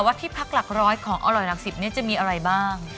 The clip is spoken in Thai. ว่าที่พักหลักร้อยของเอาล่ะรักสิบนี้จะมีอะไรบ้าง